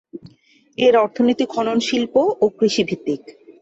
এর অর্থনীতি খনন শিল্প ও কৃষিভিত্তিক।